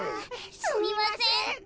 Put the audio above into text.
すみません。